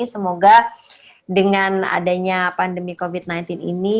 semoga dengan adanya pandemi covid sembilan belas ini